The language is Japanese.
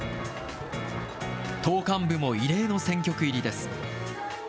党幹部も異例の選挙区入りです。